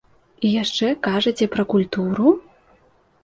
І яшчэ кажаце пра культуру?!